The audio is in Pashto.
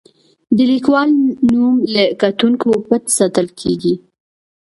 د لیکوال نوم له کتونکو پټ ساتل کیږي.